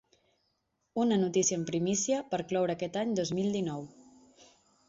Una notícia en primícia per cloure aquest any dos mil dinou.